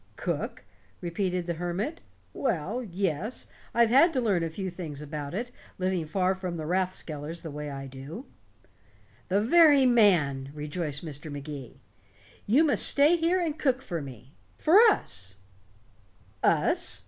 "Cook?" repeated the hermit. "Well, yes, I've had to learn a few things about it, living far from the rathskellars the way I do." "The very man," rejoiced Mr. Magee. "You must stay here and cook for me for us." "Us?"